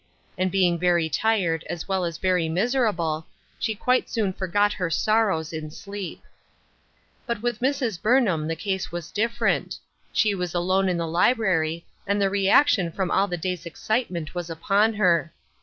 And being very tired, as well as very miserable, she quite soon forgot her sorrows in sleep. But with Mrs. Burnham the case was different. She was alone in the library, and the reaction from all the day's excitement was upon her.